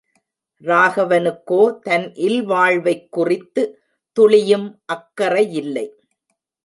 ராகவனுக்கோ தன் இல்வாழ்வைக்குறித்து துளியும் அக்கறையில்ல.